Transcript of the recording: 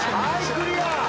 クリア。